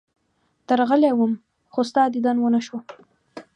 درغلی وم، خو ستا دیدن ونه شو.